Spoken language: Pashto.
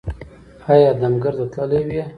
ایا د دم ګر ته تللي وئ؟